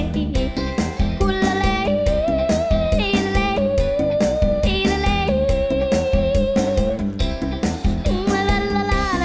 ช่วยออกมาเต้นระบำลูกคุณ